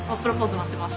待ってます。